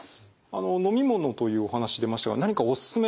あの飲み物というお話出ましたが何かおすすめのものはありますか？